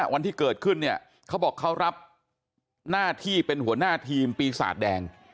วันที่เกิดขึ้นเนี่ยเขาบอกเขารับหน้าที่เป็นหัวหน้าทีมปีศาจแดง